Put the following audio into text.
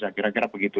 ya kira kira begitu